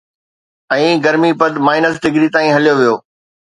۽ گرمي پد minus degree تائين هليو ويو